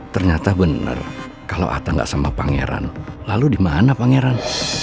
ternyata bener kalau ata gak sama pangeran lalu di mana pangeran